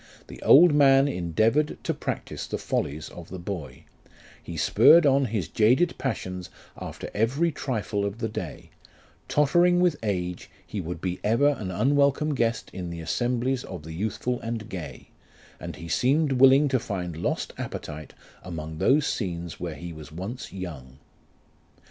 The old man endeavoured to practise the follies of the boy : he spurred on his jaded passions after every trifle of the day ; tottering with age, he would be ever an unwelcome guest in the assemblies of the youthful and gay, and he seemed willing to find lost appetite among those scenes where he was once young.